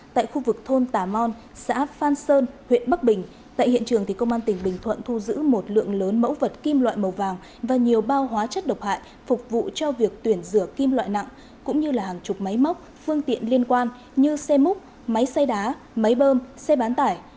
tại khu vực thôn tà mon xã phan sơn huyện bắc bình tại hiện trường công an tỉnh bình thuận thu giữ một lượng lớn mẫu vật kim loại màu vàng và nhiều bao hóa chất độc hại phục vụ cho việc tuyển rửa kim loại nặng cũng như là hàng chục máy móc phương tiện liên quan như xe múc máy xay đá máy bơm xe bán tải